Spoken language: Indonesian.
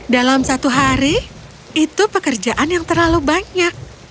dalam satu hari itu pekerjaan yang terlalu banyak